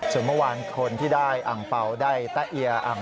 ส่วนเมื่อวานคนที่ได้อังเปล่าได้ตะเอียอ่าง